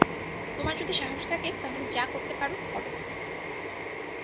তোমার যদি সাহস থেকে, তাহলে যা করতে পারো, করো।